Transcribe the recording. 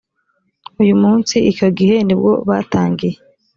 uyu munsi icyo gihe ni bwo batangiye